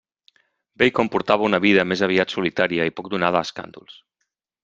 Bacon portava una vida més aviat solitària i poc donada a escàndols.